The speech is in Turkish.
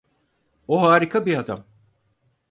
O harika bir adam.